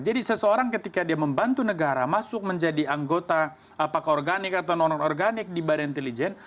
jadi seseorang ketika dia membantu negara masuk menjadi anggota apakah organik atau non organik di badan intelijen